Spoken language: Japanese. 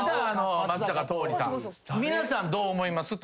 皆さんどう思います？